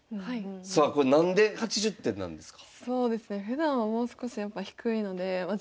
さあこれ何で８０点なんですか？